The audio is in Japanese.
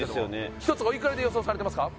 １つおいくらで予想されてますか